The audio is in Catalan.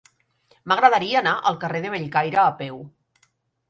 M'agradaria anar al carrer de Bellcaire a peu.